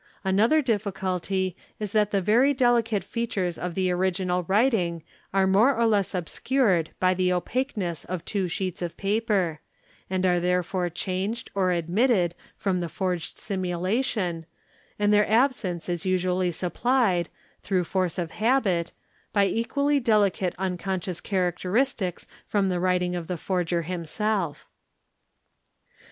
Another difficulty is that the very delicate features of th original writing are more or less obscured by the opaqueness of tw sheets of paper, and are therefore changed or omitted from the forge sunulation, and their absence is usually supplied, through force of habi by equally delicate unconscious characteristics from the writing of th forger himself.